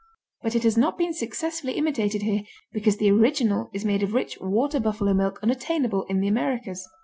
But it has not been successfully imitated here because the original is made of rich water buffalo milk unattainable in the Americas.